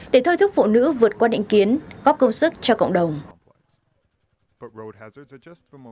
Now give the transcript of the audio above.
để thay thức phụ nữ vượt qua định kiến góp công sức cho cộng đồng